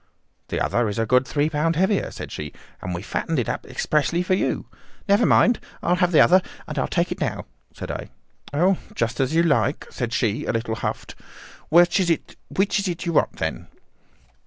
"'The other is a good three pound heavier,' said she, 'and we fattened it expressly for you.' "'Never mind. I'll have the other, and I'll take it now,' said I. "'Oh, just as you like,' said she, a little huffed. 'Which is it you want, then?